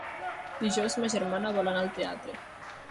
Dijous ma germana vol anar al teatre.